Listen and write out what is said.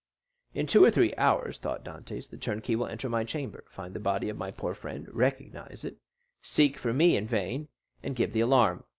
"In two or three hours," thought Dantès, "the turnkey will enter my chamber, find the body of my poor friend, recognize it, seek for me in vain, and give the alarm.